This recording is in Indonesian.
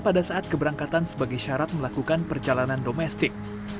pada saat keberangkatan sebagai syarat melakukan perjalanan domestik